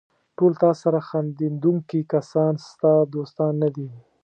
ټول تاسره خندېدونکي کسان ستا دوستان نه دي.